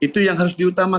jualan dari mana